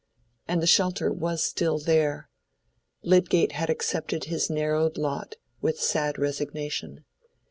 And the shelter was still there: Lydgate had accepted his narrowed lot with sad resignation.